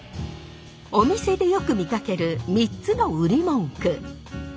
お店でよく見かける３つの売り文句。